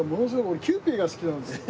俺キユーピーが好きなんですよ。